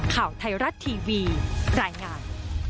ข่าวไทยรัฐทีวีรายงาน